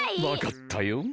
わかったよ。